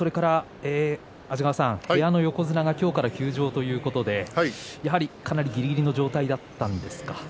部屋の横綱が今日から休場ということでかなりぎりぎりの状態だったんですか。